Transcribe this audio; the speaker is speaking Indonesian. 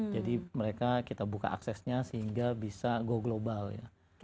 jadi mereka kita buka aksesnya sehingga bisa go global ya